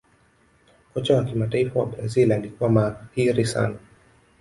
kocha wa kimataifa wa Brazil alikuwa mahiri sana